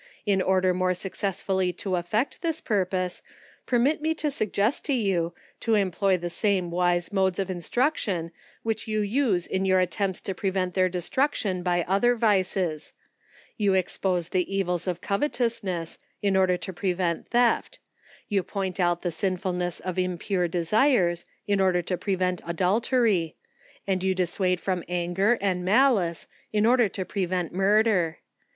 In older more successfully to effect this purpose, permit me to sug gest to you, to employ the same wise modes of instruc tion, which you use in your attempts to prevent their des * Treatise on Tropical Diseases. ARDENT SPIRITS. 21 trtietion by other vices. You expose the evils of covet (Busness, in order to prevent theft; you point out the sin fulness of impure desires, in order to prevent adultery ; and you dissuade from anger and maKee, in order to pre vent murder.